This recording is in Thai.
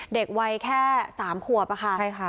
เด็กวัยแค่๓ควบนะคะ